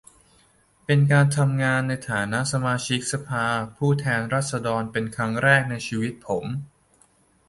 เป็นการทำงานในฐานะสมาชิกสภาผู้แทนราษฎรเป็นครั้งแรกในชีวิตผม